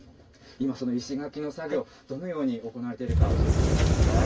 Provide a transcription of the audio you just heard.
今、その石垣の作業、どのように行われているか、教えていただけますか。